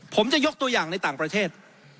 ผมจะยกตัวอย่างในต่างประเทศ